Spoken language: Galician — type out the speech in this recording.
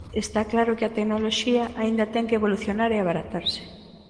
Está claro que a tecnoloxía aínda ten que evolucionar e abaratarse.